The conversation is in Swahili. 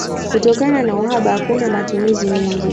Kutokana na uhaba hakuna matumizi mengi.